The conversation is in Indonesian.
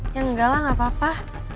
ya engga lah gapapa